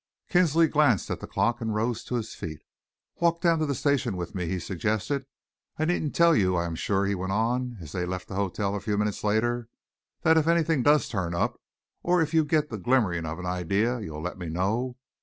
Kinsley glanced at the clock and rose to his feet. "Walk down to the station with me," he suggested. "I needn't tell you, I am sure," he went on, as they left the hotel a few minutes later, "that if anything does turn up, or if you get the glimmering of an idea, you'll let me know?